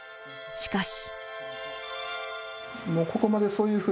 しかし。